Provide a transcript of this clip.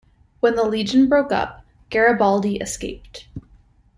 When the legion broke up, Garibaldi escaped.